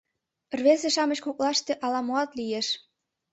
Рвезе-шамыч коклаште ала-моат лиеш.